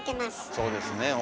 そうですね。